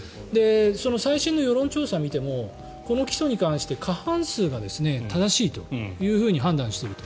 その最新の世論調査を見てもこの起訴に関して過半数が正しいと判断していると。